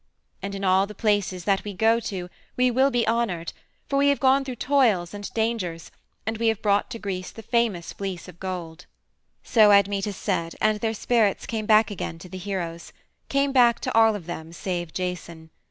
And in all the places that we go to we will be honored, for we have gone through toils and dangers, and we have brought to Greece the famous Fleece of Gold." So Admetus said, and their spirits came back again to the heroes came back to all of them save Jason.